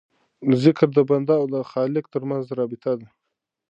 ذکر د بنده او خالق ترمنځ رابطه ده.